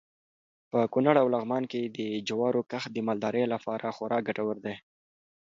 په کونړ او لغمان کې د جوارو کښت د مالدارۍ لپاره خورا ګټور دی.